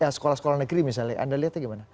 nah sekolah sekolah negeri misalnya anda lihatnya gimana